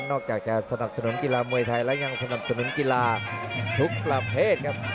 อกจากจะสนับสนุนกีฬามวยไทยและยังสนับสนุนกีฬาทุกประเภทครับ